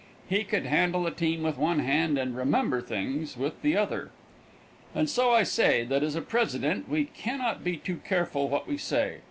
He could handle a team with one hand and remember things with the other. And so I say that as a president we can not be too careful what we say.